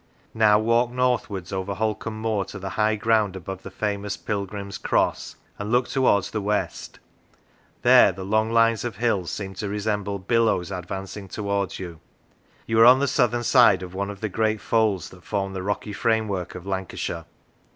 Now walk northwards over Holcombe Moor to the high ground above the famous Pilgrim's Cross, and look towards the west : there, the long lines of hills seem to resemble billows advancing towards you. You are on the southern side of one of the great folds that form the rocky framework of Lancashire.